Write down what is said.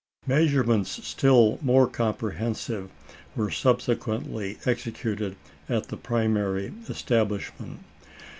Measurements still more comprehensive were subsequently executed at the primary establishment.